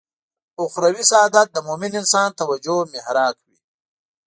اخروي سعادت د مومن انسان توجه محراق وي.